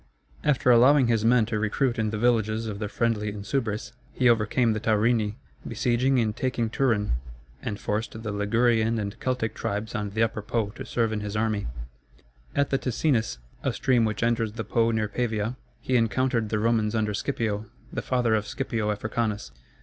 ] After allowing his men to recruit in the villages of the friendly Insubres, he overcame the Taurini, besieging and taking Turin, and forced the Ligurian and Celtic tribes on the Upper Po to serve in his army. At the Ticinus, a stream which enters the Po near Pavia, he encountered the Romans under Scipio, the father of Scipio Africanus.